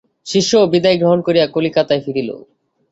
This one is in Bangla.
শিষ্যও বিদায় গ্রহণ করিয়া কলিকাতায় ফিরিল।